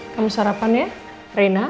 kamu sarapan ya reina